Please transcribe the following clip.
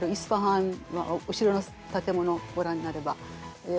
後ろの建物をご覧になれば。